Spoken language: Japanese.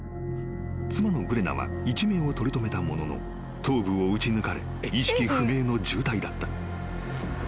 ［妻のグレナは一命を取り留めたものの頭部を撃ち抜かれ意識不明の重体だった］